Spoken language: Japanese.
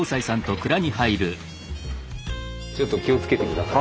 ちょっと気をつけて下さい。